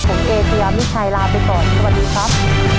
ผมเอเชยามิชัยลาไปก่อนสวัสดีครับ